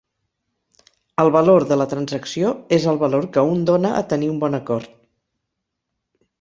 "El valor de la transacció" és el valor que un dona a tenir un bon acord.